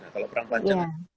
kalau perang panjang